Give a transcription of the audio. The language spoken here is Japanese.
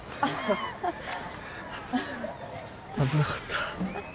危なかった